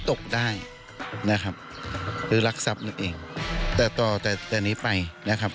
ตกได้นะครับหรือรักทรัพย์นั่นเองแต่ต่อแต่แต่นี้ไปนะครับ